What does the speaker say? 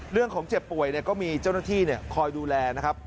เจ็บป่วยก็มีเจ้าหน้าที่คอยดูแลนะครับ